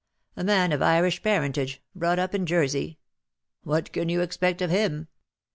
A man of Irish parentage — brought up in Jersey. What can you expect of him ?"